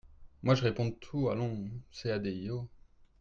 Moi, je réponds de tout, allons ! CADIO.